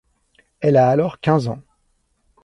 Elle a alors quinze ans.